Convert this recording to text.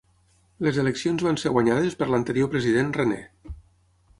Les eleccions van ser guanyades per l'anterior president René.